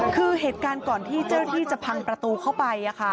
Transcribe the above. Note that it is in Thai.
คือเหตุการณ์ก่อนที่เจ้าหน้าที่จะพังประตูเข้าไป